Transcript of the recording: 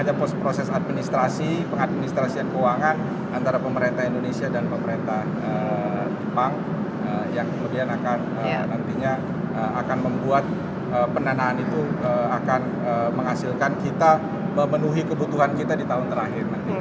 ada proses administrasi pengadministrasian keuangan antara pemerintah indonesia dan pemerintah jepang yang kemudian akan nantinya akan membuat pendanaan itu akan menghasilkan kita memenuhi kebutuhan kita di tahun terakhir